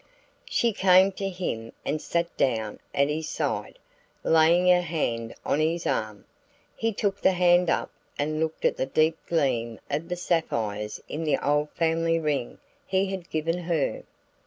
She came to him and sat down at his side, laying her hand on his arm. He took the hand up and looked at the deep gleam of the sapphires in the old family ring he had given her.